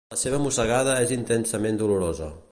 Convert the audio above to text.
La seva mossegada és intensament dolorosa.